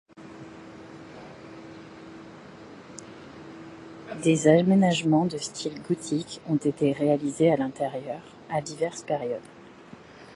Des aménagements de style gothique ont été réalisés à l'intérieur à diverses périodes.